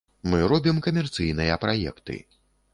Мы робім камерцыйныя праекты.